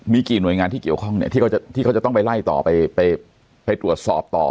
มีกี่หน่วยงานที่เกี่ยวข้องเนี่ยที่เขาจะต้องไปไล่ต่อไปไปตรวจสอบต่อ